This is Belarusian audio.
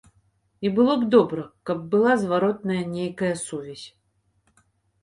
І было б добра, каб была зваротная нейкая сувязь.